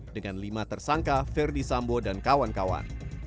dengan lima tersangka ferdi sambo dan kawan kawan